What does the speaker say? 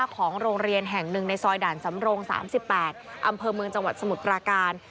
ของโรงเรียนแห่งหนึ่งในซอยด่านสำรง๓๘อำเภอเมืองจังหวัดสมุทรปราการ